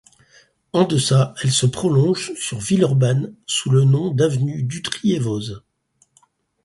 En deçà, elle se prolonge, sur Villeurbanne sous le nom d'avenue Dutriévoz.